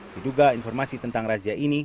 diduga informasi tentang razia ini